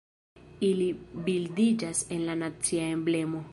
Ili bildiĝas en la nacia emblemo.